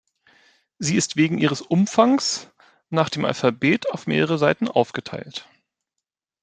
Sie ist wegen ihres Umfangs nach dem Alphabet auf mehrere Seiten aufgeteilt.